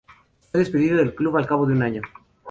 Fue despedido del club al cabo de un año.